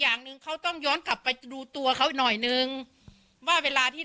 อย่างหนึ่งเขาต้องย้อนกลับไปดูตัวเขาอีกหน่อยนึงว่าเวลาที่